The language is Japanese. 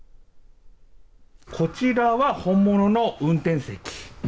こちらは本物の運転席。